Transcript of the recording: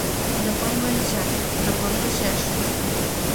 Закон войнча — закон почеш.